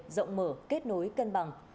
rộng mở kết nối cân bằng